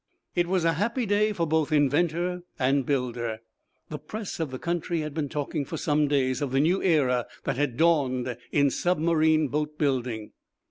It was a happy day for both inventor and builder. The press of the country had been talking for some days of the new era that had dawned in submarine boat building.